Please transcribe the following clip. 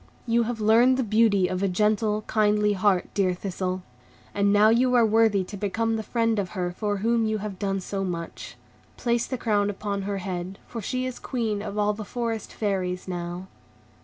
"You have learned the beauty of a gentle, kindly heart, dear Thistle; and you are now worthy to become the friend of her for whom you have done so much. Place the crown upon her head, for she is Queen of all the Forest Fairies now."